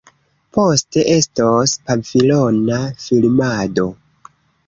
Poste estos pavilona filmado.